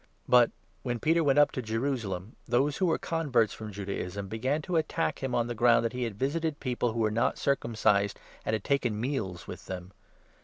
But, when Peter 2 went up to Jerusalem, those who were converts from Judaism began to attack him on the ground that he had visited people 3 who were not circumcised, and had taken meals with them.